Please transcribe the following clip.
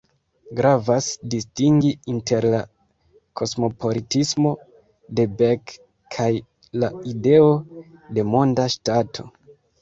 Gravas distingi inter la kosmopolitismo de Beck kaj la ideo de monda ŝtato.